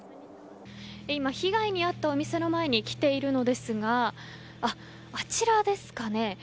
今、被害に遭ったお店の前に来ているのですがあちらですかね。